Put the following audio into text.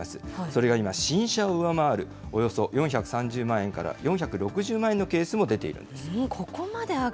それが今、新車を上回るおよそ４３０万円から４６０万円のケースも出ているんです。